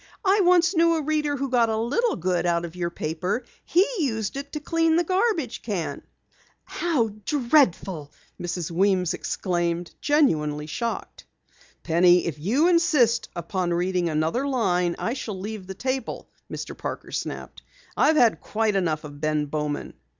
I once knew a reader who got a little good out of your paper. He used it to clean the garbage can.'" "How dreadful!" Mrs. Weems exclaimed, genuinely shocked. "Penny, if you insist upon reading another line, I shall leave the table," Mr. Parker snapped. "I've had quite enough of Ben Bowman."